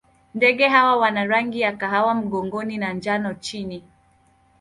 Ndege hawa wana rangi ya kahawa mgongoni na njano chini.